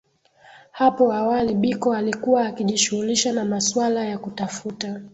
Hapo awali Biko alikuwa akijishughulisha na masuala ya kutafuta